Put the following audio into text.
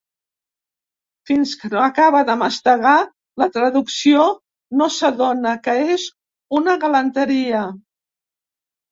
Fins que no acaba de mastegar la traducció no s'adona que és una galanteria.